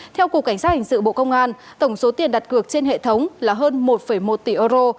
theo cục cảnh sát hình sự bộ công an tổng số tiền đặt cược trên hệ thống là hơn một một tỷ euro